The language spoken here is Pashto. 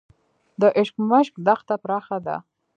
د اشکمش دښته پراخه ده